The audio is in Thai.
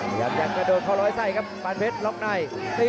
พยายามจะกระโดดเข้าร้อยไส้ครับปานเพชรล็อกใน